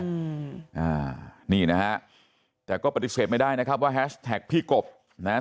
อืมอ่านี่นะฮะแต่ก็ปฏิเสธไม่ได้นะครับว่าแฮชแท็กพี่กบนะฮะ